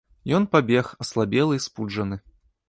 Ён пабег, аслабелы і спуджаны.